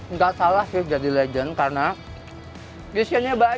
nggak salah sih jadi legend karena visionnya banyak